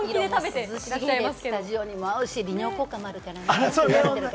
スタジオにも合うし効果もあるからね。